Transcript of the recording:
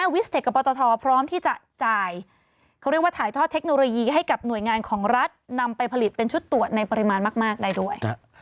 วิสเทคกับปตทพร้อมที่จะจ่ายเขาเรียกว่าถ่ายทอดเทคโนโลยีให้กับหน่วยงานของรัฐนำไปผลิตเป็นชุดตรวจในปริมาณมากได้ด้วย